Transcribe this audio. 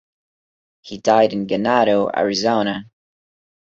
He died in Ganado, Arizona.